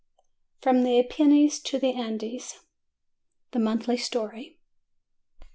FROM THE APENNINES TO THE ANDES (Monthly Story.)